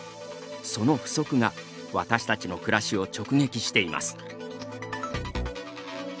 その不足が私たちの暮らしを直撃しています。